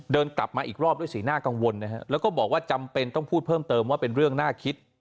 เดินกลับมาอีกรอบด้วยสีหน้ากังวลนะฮะแล้วก็บอกว่าจำเป็นต้องพูดเพิ่มเติมว่าเป็นเรื่องน่าคิด